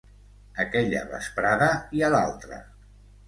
Aquella vesprada i a l'altra.